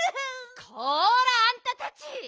こらあんたたち！